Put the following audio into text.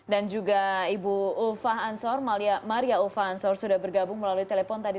dan juga ibu ulfa ansor maria ulfa ansor sudah bergabung melalui telepon tadi